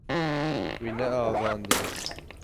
Wî neavandiye.